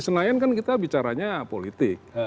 senayan kan kita bicaranya politik